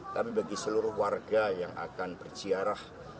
tapi bagi seluruh warga yang akan berziarah